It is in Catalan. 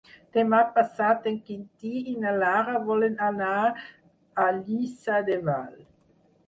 Demà passat en Quintí i na Lara volen anar a Lliçà de Vall.